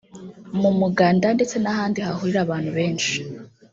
mu muganda ndetse n’ahandi hahurira abantu benshi